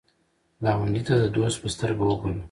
ګاونډي ته د دوست په سترګه وګوره